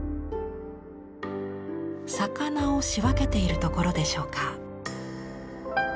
魚を仕分けているところでしょうか。